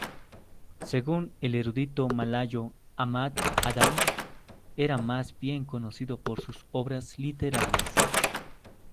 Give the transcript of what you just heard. Según el erudito malayo Ahmad Adam, era más bien conocido por sus obras literarias.